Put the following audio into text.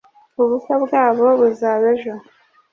ubukwe bwabo buzaba ejo